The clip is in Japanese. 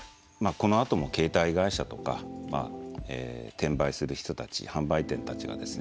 このあとも携帯会社とか転売する人たち販売店たちがですね